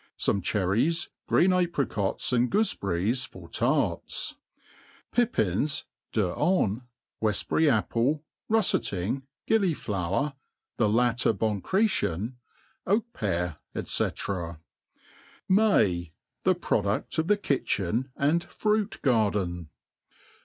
Some cherries, green apricots, and . goofebcrries for tarts. Pippins, deuxans, Weftbury apple, ruffeting, gilliflower, the latter bonchretien, oak pear, &c. May. ^The ProduSf of the Kitchen and Fruit Garden.